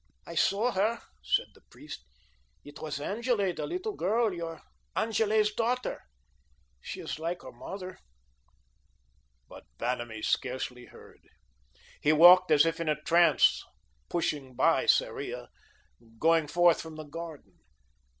"I saw her," said the priest. "It was Angele, the little girl, your Angele's daughter. She is like her mother." But Vanamee scarcely heard. He walked as if in a trance, pushing by Sarria, going forth from the garden.